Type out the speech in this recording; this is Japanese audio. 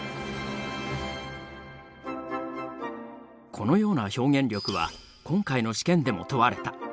このような表現力は今回の試験でも問われた。